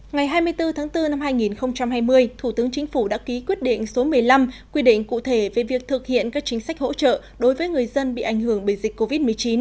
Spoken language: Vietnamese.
ngày hai mươi bốn tháng bốn năm hai nghìn hai mươi thủ tướng chính phủ đã ký quyết định số một mươi năm quy định cụ thể về việc thực hiện các chính sách hỗ trợ đối với người dân bị ảnh hưởng bởi dịch covid một mươi chín